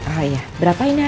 oh iya berapa ini